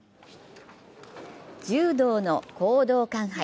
柔道の講道館杯。